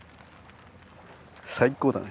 最高だね。